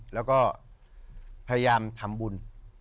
แล้วก็พยายามทำบุญ